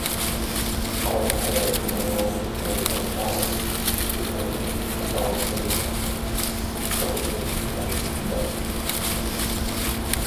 I had no real pal to go about with, which probably explains things.